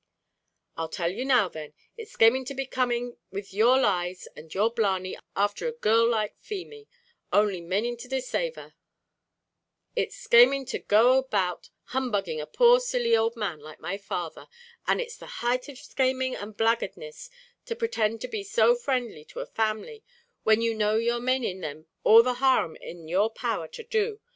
'" "I'll tell you now, then; it's schaming to be coming with your lies and your blarney afther a girl like Feemy, only maning to desave her it's schaming to go about humbugging a poor silly owld man like my father, and it's the higth of schaming and blackguardness to pretend to be so frindly to a family, when you know you're maning them all the harum in your power to do.